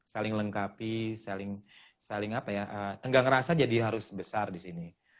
saling lengkapi saling apa ya tenggang rasa jadi harus besar di sini